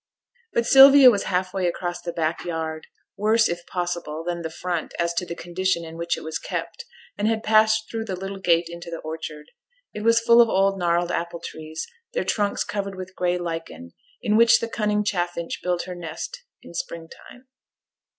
But Sylvia was half way across the back yard worse, if possible, than the front as to the condition in which it was kept and had passed through the little gate into the orchard. It was full of old gnarled apple trees, their trunks covered with gray lichen, in which the cunning chaffinch built her nest in spring time.